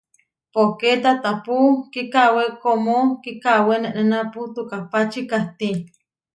Poké taatápu kikawé kómo kikawé nenénapu, tukápači kahtí.